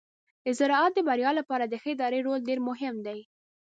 د زراعت د بریا لپاره د ښه ادارې رول ډیر مهم دی.